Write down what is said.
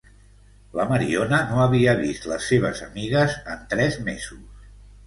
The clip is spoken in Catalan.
La Mariona no havia vist les seves amigues en tres mesos.